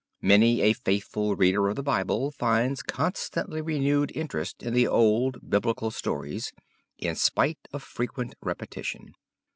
Many a faithful reader of the Bible finds constantly renewed interest in the old Biblical stories in spite of frequent repetition.